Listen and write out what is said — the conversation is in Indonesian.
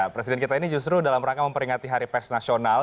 presiden kita ini justru dalam rangka memperingati hari pers nasional